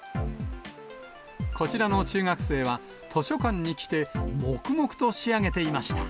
こちらの中学生は、図書館に来て、黙々と仕上げていました。